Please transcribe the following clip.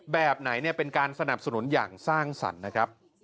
แบบไหนเป็นการสนับสนุนอย่างสร้างสรรค์นะครับ